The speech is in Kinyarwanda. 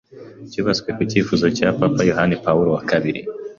cyubatswe ku cyifuzo cya Papa Yohani Pawulo wa kabiri